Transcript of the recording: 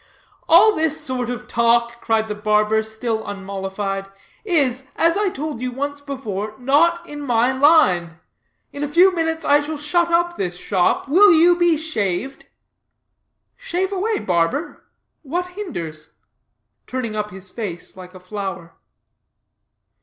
"All this sort of talk," cried the barber, still unmollified, "is, as I told you once before, not in my line. In a few minutes I shall shut up this shop. Will you be shaved?" "Shave away, barber. What hinders?" turning up his face like a flower.